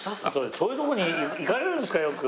そういうとこに行かれるんですかよく。